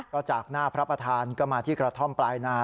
ก็จากหน้าพระประธานก็มาที่กระท่อมปลายนา